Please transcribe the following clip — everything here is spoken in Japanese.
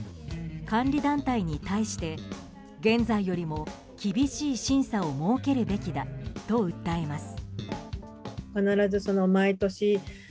監理団体に対して現在よりも厳しい審査を設けるべきだと訴えます。